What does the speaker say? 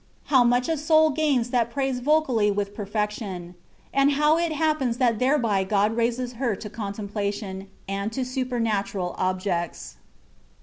HOW MUCH A SOUL GAINS THAT PEATS VOCALLY WITH PERPBC TION ; AND HOW IT HAPPENS THAT THEREBY GOD RAISES HEB TO CONTEMPLATION, AND TO SUPERNATURAL OBJECTS.